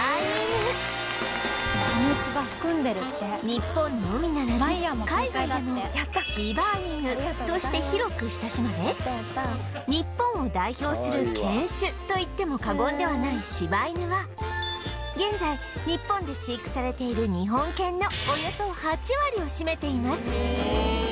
日本のみならず海外でも ＳｈｉｂａＩｎｕ として広く親しまれ日本を代表する犬種といっても過言ではない柴犬は現在日本で飼育されている日本犬のおよそ８割を占めています